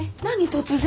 突然。